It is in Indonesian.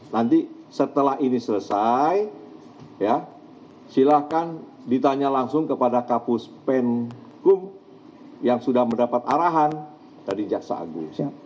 nanti setelah ini selesai silakan ditanya langsung kepada kapus penkum yang sudah mendapat arahan dari jaksa agung